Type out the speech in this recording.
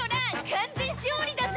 完全勝利だぜ！